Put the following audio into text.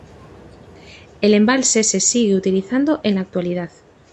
El embalse se sigue utilizando en la actualidad.